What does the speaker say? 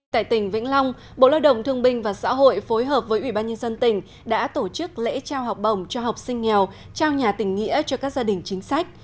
tại tỉnh vĩnh long bộ lao động thương binh và xã hội phối hợp với ủy ban nhân dân tỉnh đã tổ chức lễ trao học bổng cho học sinh nghèo trao nhà tỉnh nghĩa cho các gia đình chính sách